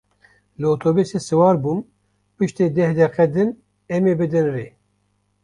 Li otobusê siwar bûm, pişti deh deqe din em ê bidin rê.